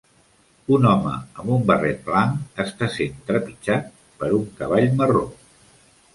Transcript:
Un home amb un barret blanc està sent trepitjat per un cavall marró.